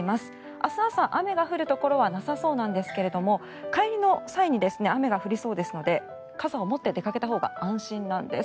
明日朝、雨が降るところはなさそうなんですが帰りの際に雨が降りそうですので傘を持って出かけたほうが安心なんです。